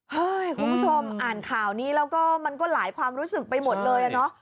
คุณผู้ชมอ่านข่าวนี้แล้วก็มันก็หลายความรู้สึกไปหมดเลยอะเนาะ